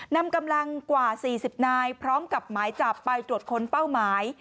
นำกำลังกว่า๔๐นายพร้อมกับหมายจับไปตรวจค้นเป้าหมาย